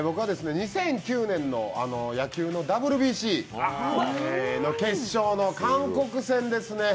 ２００９年の野球のＷＢＣの決勝の韓国戦ですね。